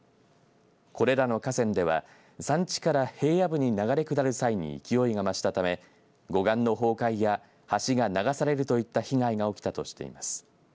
これらの河川では山地から平野部に流れ下る際に勢いが増したため護岸の崩壊や橋が流されるといった被害が起きたとしています。